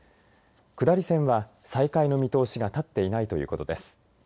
下り線は再開の見通しが立っていないということです。